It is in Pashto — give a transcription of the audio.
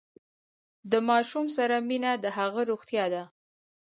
د ماشوم سره مینه د هغه روغتیا ده۔